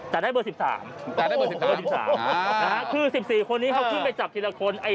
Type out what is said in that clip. แต่ได้เบอร์๑๓นะฮะคือ๑๔คนนี้เขาขึ้นไปจับทีละคน